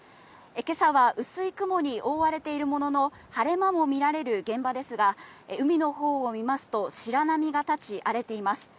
今朝は薄い雲に覆われているものの晴れ間も見られる現場ですが、海の方を見ますと、白波が立ち、荒れています。